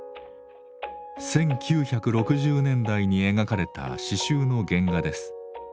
１９６０年代に描かれた刺しゅうの原画です。